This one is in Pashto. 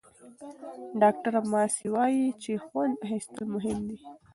ډاکټره ماسي وايي چې خوند اخیستل مهم دي.